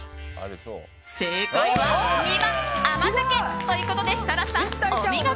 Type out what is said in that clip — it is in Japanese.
正解は２番、甘酒！ということで設楽さん、お見事！